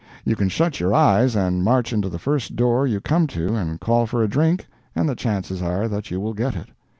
You can shut your eyes and march into the first door you come to and call for a drink, and the chances are that you will get it.